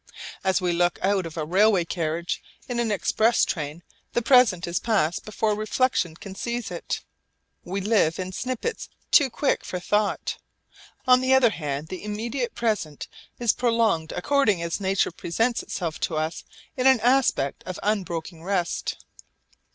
As we look out of a railway carriage in an express train, the present is past before reflexion can seize it. We live in snippits too quick for thought. On the other hand the immediate present is prolonged according as nature presents itself to us in an aspect of unbroken rest.